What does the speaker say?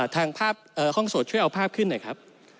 ทางภาพห้องโสดช่วยเอาภาพขึ้นหน่อยครับ